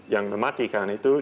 yang mematikan itu